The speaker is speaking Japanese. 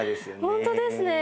本当ですね！